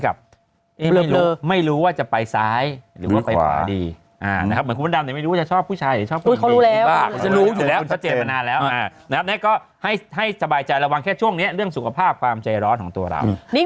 คือพี่อ้ามเนี่ยก็ถามฝากเพื่อนนักข่าวเลยว่า